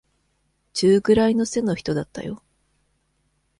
中くらいの背の人だったよ。